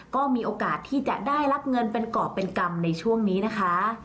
ก็มีโอกาสที่จะได้รับเงินเป็นกรอบเป็นกรรมในช่วงนี้นะคะ